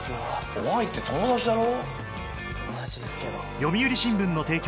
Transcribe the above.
怖いって友達だろ？